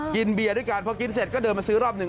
เบียร์ด้วยกันพอกินเสร็จก็เดินมาซื้อรอบหนึ่ง